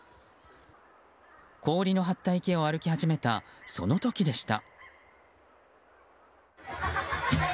氷の張った池を歩き始めたその時でした。